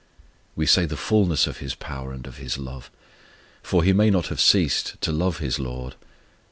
We say the fulness of His power and of His love; for he may not have ceased to love his LORD.